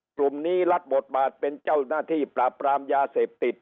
กลุ่มนี้รับบทบาทเป็นเจ้าหน้าที่ปราบปรามยาเสพติด